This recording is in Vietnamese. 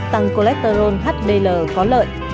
tăng cholesterol hdl có lợi